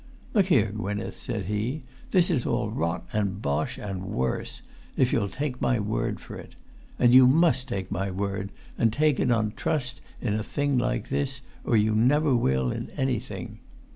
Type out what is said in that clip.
"Look here, Gwynneth," said he, "this is all rot and bosh, and worse—if you'll take my word for it. And you must take my word, and take it on trust in a thing like this, or you never will in anything.